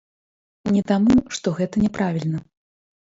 Не таму, што гэта няправільна.